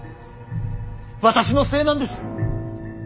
私のせいなんです。